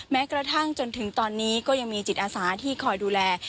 แม้กระทั่งจนถึงตอนนี้ก็ยังมีจิตอาสาที่คอยดูแล